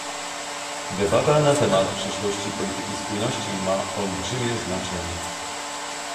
Debata na temat przyszłości polityki spójności ma olbrzymie znaczenie